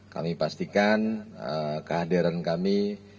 kami pastikan kehadiran kami